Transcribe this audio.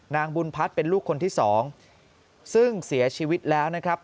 นางบุญพัฒน์เป็นลูกคนที่สองซึ่งเสียชีวิตแล้วนะครับ